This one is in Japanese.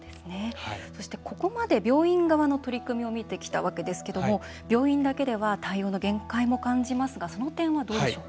そして、ここまで病院側の取り組みを見てきたわけですけども病院だけでは対応の限界も感じますがその点は、どうでしょうか？